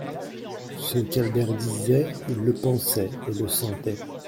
Ce qu'Albert disait, il le pensait et le sentait.